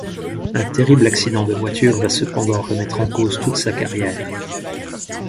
Un terrible accident de voiture va cependant remettre en cause toute sa carrière.